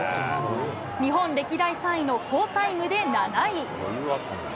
日本歴代３位の好タイムで７位。